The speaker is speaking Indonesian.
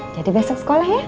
jadi besok sekolah ya